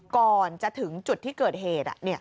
ก่อนจะถึงจุดที่เกิดเหตุ